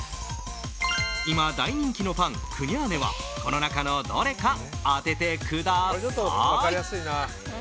今大人気のパン、クニャーネはこの中のどれか当ててください。